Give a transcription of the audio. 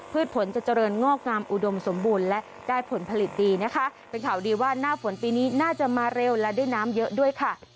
ผลจะเจริญงอกงามอุดมสมบูรณ์และได้ผลผลิตดีนะคะเป็นข่าวดีว่าหน้าฝนปีนี้น่าจะมาเร็วและได้น้ำเยอะด้วยค่ะ